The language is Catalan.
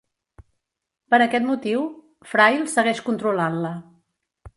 Per aquest motiu, Frail segueix controlant-la.